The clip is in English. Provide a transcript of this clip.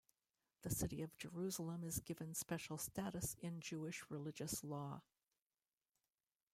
The city of Jerusalem is given special status in Jewish religious law.